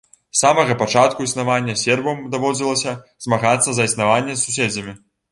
С самага пачатку існавання сербам даводзілася змагацца за існаванне з суседзямі.